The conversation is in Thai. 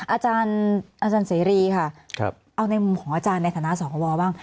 อาจารย์เสรีค่ะเอาในมุมของอาจารย์ในฐานะสควบ้าง